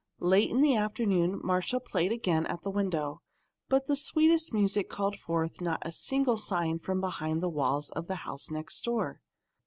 Late in the afternoon Marcia played again at the window, but the sweetest music called forth not a single sign from behind the walls of the house next door.